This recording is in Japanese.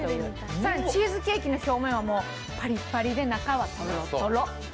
更にチーズケーキの表面はパリパリで中はとろとろ。